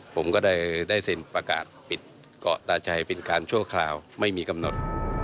ผมก็ได้เซ็นประกาศปิดเกาะตาชัยเป็นการชั่วคราวไม่มีกำหนด